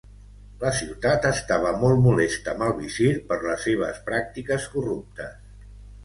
La ciutat estava molt molesta amb el visir per les seves pràctiques corruptes.